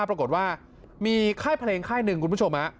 ปรากฏว่ามีค่ายเพลงค่ายหนึ่งคุณผู้ชม